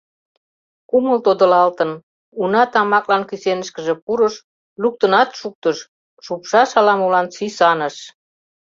Кумыл тодылалтын, уна тамаклан кӱсенышкыже пурыш, луктынат шуктыш — шупшаш ала-молан сӱсаныш.